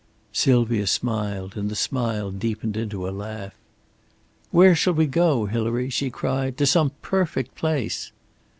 Sylvia smiled, and the smile deepened into a laugh. "Where shall we go, Hilary?" she cried. "To some perfect place."